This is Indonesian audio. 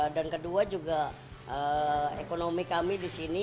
dan kedua juga ekonomi kami di sini